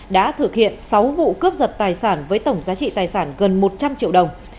đã thực hiện sáu vụ cướp giật tài sản với tổng giá trị tài sản gần một trăm linh triệu đồng